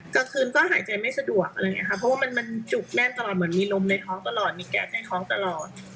เกิดคืนก็หายใจไม่สะดวกเพราะว่ามันจุกแนบตลอดเหมือนมีมีลมในท้องตลอดมีแก๊สในท้องตลอด